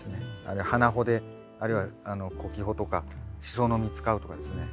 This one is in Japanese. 花穂であるいはこき穂とかシソの実使うとかですね